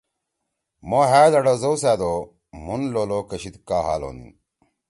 مھو ہأ لَڑَزَو سیدو مھون لولو کشید کا حال ہونین۔